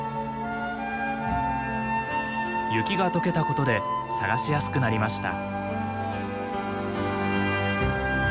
雪が解けたことで探しやすくなりました。